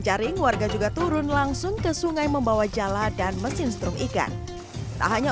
jaring warga juga turun langsung ke sungai membawa jala dan mesin strum ikan tak hanya